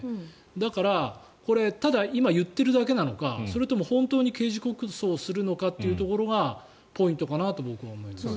だから、ただ今、言っているだけなのかそれとも本当に刑事告訴するのかというのがポイントかなと僕は思います。